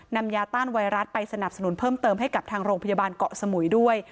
ยาต้านไวรัสไปสนับสนุนเพิ่มเติมให้กับทางโรงพยาบาลเกาะสมุยด้วย